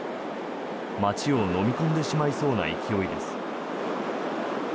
街をのみ込んでしまいそうな勢いです。